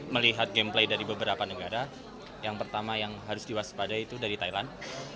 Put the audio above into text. melihat gameplay dari beberapa negara yang pertama yang harus diwaspada itu dari thailand